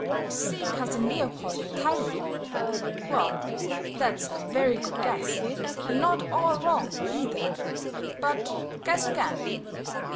"To see Cousin Leopold in Tyrol." "Well, that's a very good guess, and not all wrong, either; but guess again."